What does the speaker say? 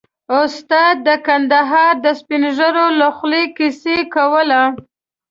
استاد د کندهار د سپين ږيرو له خولې کيسه کوله.